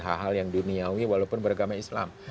hal hal yang duniawi walaupun beragama islam